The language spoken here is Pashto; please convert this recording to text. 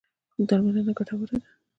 درملنه ګټوره ده.